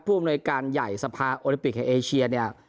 อำนวยการใหญ่สภาโอลิปิกแห่งเอเชียเนี่ย